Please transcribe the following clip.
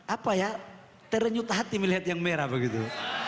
apa ya terenyut hati melihat yang merah begitu